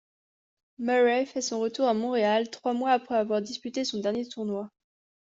Murray fait son retour à Montréal, trois mois après avoir disputé son dernier tournoi.